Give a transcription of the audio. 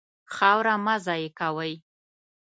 خاوره مه ضایع کوئ.